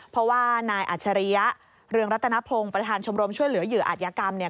เพราะว่านายอัจฉริยะเรืองรัตนพงศ์ประธานชมรมช่วยเหลือเหยื่ออาจยากรรมเนี่ย